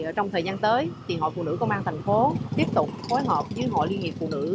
trong thời gian tới hội phụ nữ công an tp hcm tiếp tục phối hợp với hội liên hiệp phụ nữ